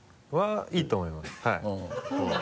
いいと思いますはい。